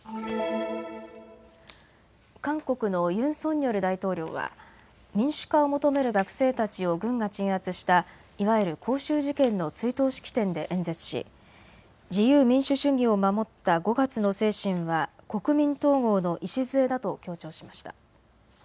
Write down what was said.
韓国のユン・ソンニョル大統領は民主化を求める学生たちを軍が鎮圧したいわゆる光州事件の追悼式典で演説し自由民主主義を守った５月の精神は国民統合の礎だと強調しました。